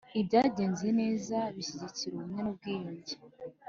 Ibyagenze neza bishyigikira ubumwe n ubwiyunge.